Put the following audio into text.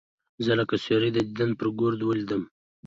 زه لکه سیوری د دیدن پر گودر ولوېدلم